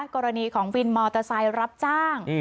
กรณีของวินมอเตอร์ไซค์รับจ้าง